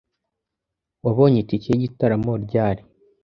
Wabonye itike yigitaramo ryari?